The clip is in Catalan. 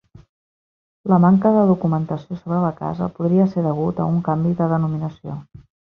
La manca de documentació sobre la casa, podria ser degut a un canvi de denominació.